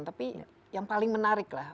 tapi yang paling menarik lah